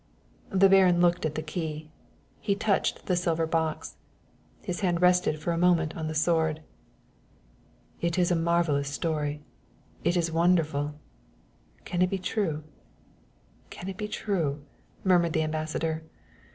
The Baron looked at the key; he touched the silver box; his hand rested for a moment on the sword. "It is a marvelous story it is wonderful! Can it be true can it be true?" murmured the Ambassador.